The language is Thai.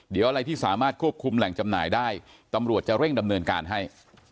เดี๋ยวอะไรที่สามารถควบคุมแหล่งจำหน่ายได้ตำรวจจะเร่งดำเนินการให้